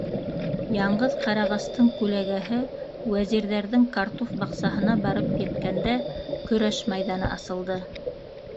Яңғыҙ ҡарағастың күләгәһе Вәзирҙәрҙең картуф баҡсаһына барып еткәндә, көрәш майҙаны асылды.